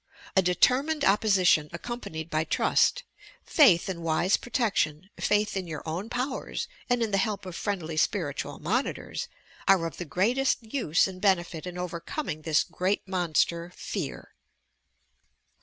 A determined opposition aeoompanied by trust, faith in wise protection, faith in your own powers and in the help of friendly spiritual monitors, are of the greatest use and benefit in overcom ing this great monster "Fear."